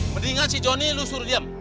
mendingan si johnny lu suruh diam